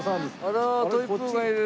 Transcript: あらトイプーがいる。